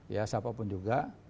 ya siapapun juga